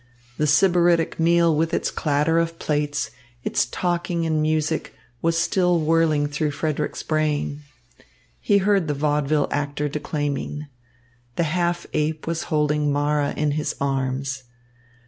The sybaritic meal with its clatter of plates, its talking and music, was still whirling through Frederick's brain. He heard the vaudeville actor declaiming. The half ape was holding Mara in his arms.